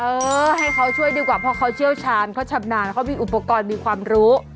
เออให้เขาช่วยดีกว่าเพราะเขาเชี่ยวชาญเขาชำนาญเขามีอุปกรณ์มีความรู้